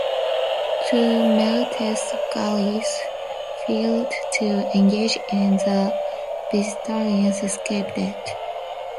Two Maltese galleys failed to engage and the Bizertines escaped.